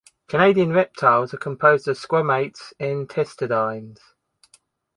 Canadian reptiles are composed of squamates and testudines.